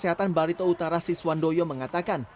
kesehatan barito utara siswandoyo mengatakan